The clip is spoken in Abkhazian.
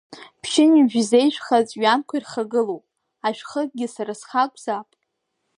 Ԥшьынҩажәи зежә хы аҵәҩанқәа ирхагылоуп, ашә-хыкгьы сара схы акәзаап!